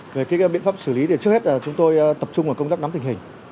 về biện pháp xử lý trước hết chúng tôi tập trung vào công tác nắm tình hình